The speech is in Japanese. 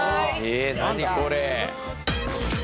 え何これ。